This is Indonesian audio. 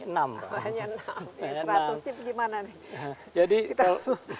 seratus itu bagaimana nih